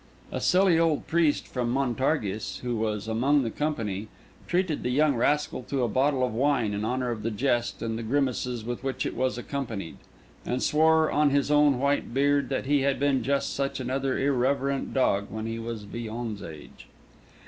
A silly old priest from Montargis, who was among the company, treated the young rascal to a bottle of wine in honour of the jest and the grimaces with which it was accompanied, and swore on his own white beard that he had been just such another irreverent dog when he was Villon's age.